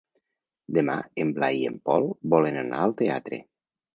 Demà en Blai i en Pol volen anar al teatre.